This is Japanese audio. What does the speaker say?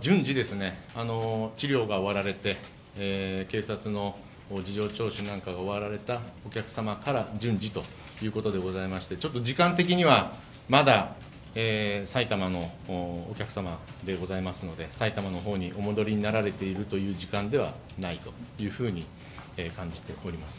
治療が終わられて警察の事情聴取などが終わられたお客様から順次ということでございまして、時間的にはまだ埼玉のお客様でございますので、埼玉の方にお戻りになられているという時間ではないと感じております。